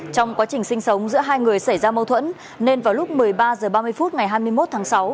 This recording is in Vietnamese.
trong quá trình sinh sống giữa hai người xảy ra mâu thuẫn nên vào lúc một mươi ba h ba mươi phút ngày hai mươi một tháng sáu